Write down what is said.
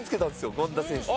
権田選手の。